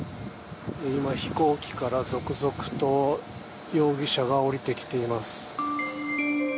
今、飛行機から続々と容疑者が降りてきています。